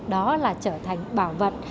đó là trở thành bảo vật